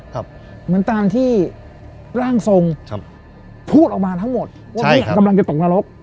เหมือนตามที่ร่างทรงครับพูดออกมาทั้งหมดว่าเนี่ยกำลังจะตกนรก